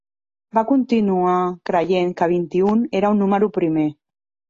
Va continuar creient que vint-i-un era un número primer.